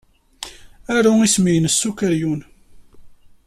Aru isem-nnem s ukeryun.